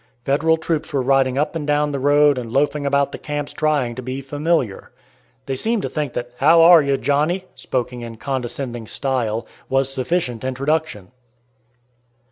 Federal troops were riding up and down the road and loafing about the camps trying to be familiar. They seemed to think that "How are you, Johnny?" spoken in condescending style, was sufficient introduction.